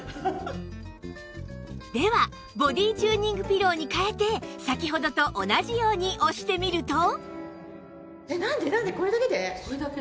ではボディチューニングピローに替えて先ほどと同じように押してみると